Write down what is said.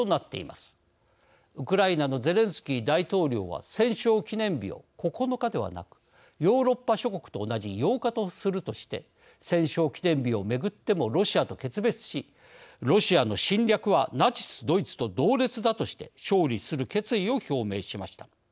ウクライナのゼレンスキー大統領は戦勝記念日を９日ではなくヨーロッパ諸国と同じ８日とするとして戦勝記念日を巡ってもロシアと決別しロシアの侵略はナチスドイツと同列だとして勝利する決意を表明しました。